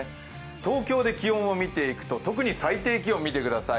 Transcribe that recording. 東京で気温を見てみると特に最低気温見てください。